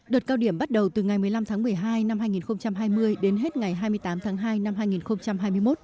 đợt cao điểm bắt đầu từ ngày một mươi năm tháng một mươi hai năm hai nghìn hai mươi đến hết ngày hai mươi tám tháng hai năm hai nghìn hai mươi một